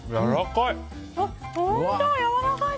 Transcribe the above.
やわらかい！